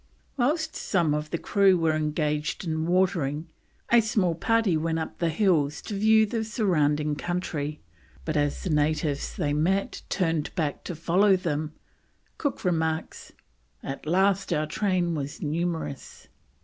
Whilst some of the crew were engaged in watering, a small party went up the hills to view the surrounding country, but as all the natives they met turned back to follow them, Cook remarks, "at last our train was numerous."